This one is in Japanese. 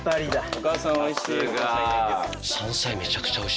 お母さんおいしい！